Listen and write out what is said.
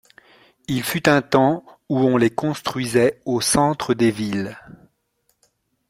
Il fut un temps où on les construisait au centre des villes.